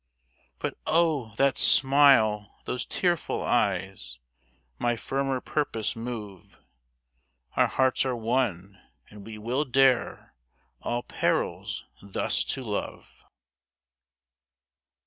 But oh, that smile those tearful eyes, My firmer purpose move Our hearts are one, and we will dare All perils thus to love!